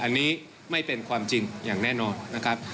อันนี้ไม่เป็นความจริงอย่างแน่นอนนะครับ